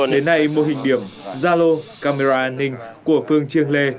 đến nay mô hình điểm gia lô camera an ninh của phường triềng lề